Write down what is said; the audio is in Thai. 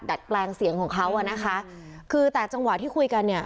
แปลงเสียงของเขาอ่ะนะคะคือแต่จังหวะที่คุยกันเนี่ย